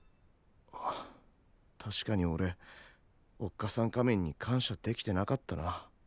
あっ確かにおれおっかさん仮面に感謝できてなかったな。